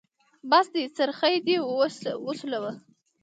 بس دی؛ څرخی دې وشوله.